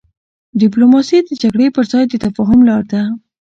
ډيپلوماسي د جګړي پر ځای د تفاهم لار ده.